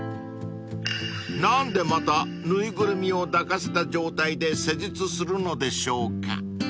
［何でまた縫いぐるみを抱かせた状態で施術するのでしょうか？］